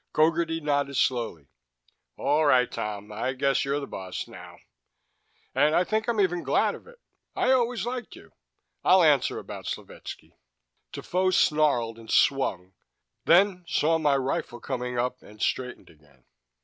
Gogarty nodded slowly. "All right, Tom. I guess you're the boss now. And I think I'm even glad of it. I always liked you. I'll answer about Slovetski." Defoe snarled and swung, then saw my rifle coming up, and straightened again.